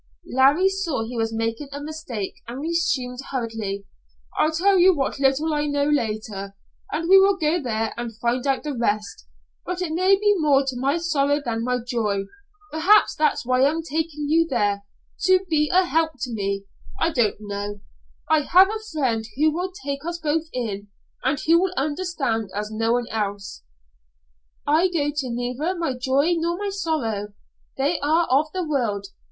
Larry saw he was making a mistake and resumed hurriedly: "I'll tell you what little I know later, and we will go there and find out the rest, but it may be more to my sorrow than my joy. Perhaps that's why I'm taking you there to be a help to me I don't know. I have a friend there who will take us both in, and who will understand as no one else." "I go to neither my joy nor my sorrow. They are of the world.